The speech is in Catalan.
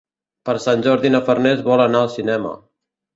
Per Sant Jordi na Farners vol anar al cinema.